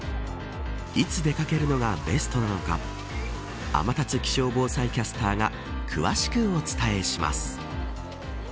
いつ出掛けるのがベストなのか天達気象防災キャスターが詳しくお伝えします。